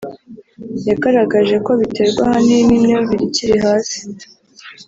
yagaragaje ko biterwa ahanini n’imyumvire ikiri ihasi